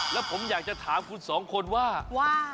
แล้วผมอยากจะถามคุณสองคนว่าว่า